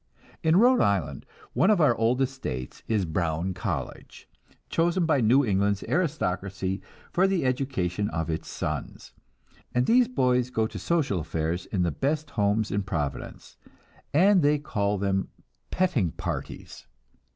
In Rhode Island, one of our oldest states, is Brown College, chosen by New England's aristocracy for the education of its sons; and these boys go to social affairs in the best homes in Providence, and they call them "petting parties."